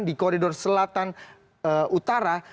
di koridor selatan utara